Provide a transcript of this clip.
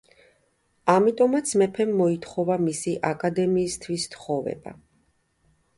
ამიტომაც მეფემ მოითხოვა მისი აკადემიისთვის თხოვება.